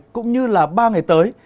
cũng như là ba ngày tới